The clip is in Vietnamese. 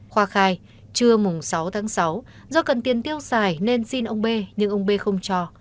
khoa khai trưa sáu tháng sáu do cần tiền tiêu xài nên xin ông b nhưng ông b không cho